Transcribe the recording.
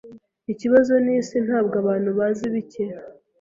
Ikibazo nisi ntabwo abantu bazi bike,